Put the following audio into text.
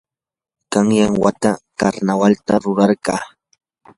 qanyan wata karnawaltam rurarqaa.